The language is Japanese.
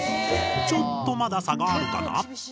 ちょっとまだ差があるかな？